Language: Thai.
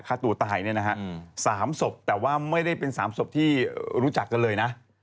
ฆ่าตัวตายเนี่ยนะฮะ๓ศพแต่ว่าไม่ได้เป็น๓ศพที่รู้จักกันเลยนะ